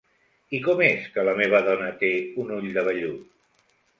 I com és que la meva dona té un ull de vellut?